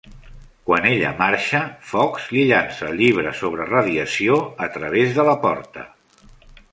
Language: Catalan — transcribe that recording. Quan ella marxa, Fox li llança el llibre sobre radiació a través de la porta.